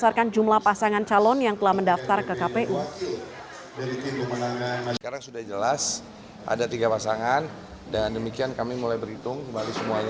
arsyad menambahkan target kemenangan minimal lima puluh empat persen